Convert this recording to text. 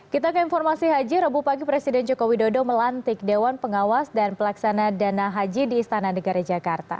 kita ke informasi haji rabu pagi presiden joko widodo melantik dewan pengawas dan pelaksana dana haji di istana negara jakarta